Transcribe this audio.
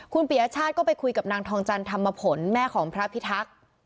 คุณปียชาติก็ไปคุยกับนางทองจันธรรมผลแม่ของพระพิทักษ์